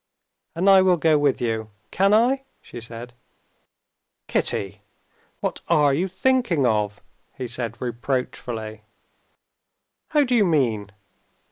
"And I will go with you, can I?" she said. "Kitty! What are you thinking of?" he said reproachfully. "How do you mean?"